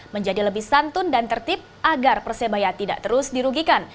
menjadi lebih santun dan tertib agar persebaya tidak terus dirugikan